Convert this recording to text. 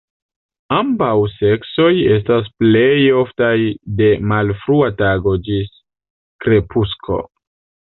Ambaŭ seksoj estas plej oftaj de malfrua tago ĝis krepusko.